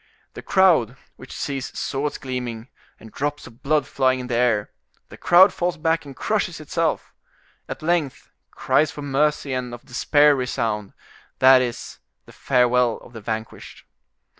The crowd, which sees swords gleaming, and drops of blood flying in the air—the crowd falls back and crushes itself. At length cries for mercy and of despair resound; that is, the farewell of the vanquished.